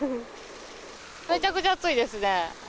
めちゃくちゃ暑いですね。